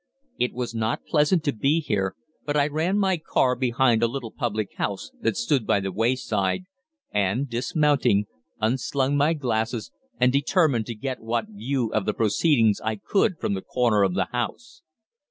"It was not pleasant to be here, but I ran my car behind a little public house that stood by the wayside, and, dismounting, unslung my glasses and determined to get what view of the proceedings I could from the corner of the house.